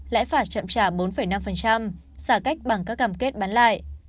lãi phạt chậm trả bốn năm giả cách bằng các cảm kết bán lại